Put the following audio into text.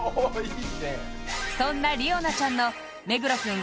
そんなりおなちゃんの目黒くん